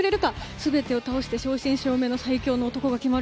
全てを倒して正真正銘の最強の男が決まる。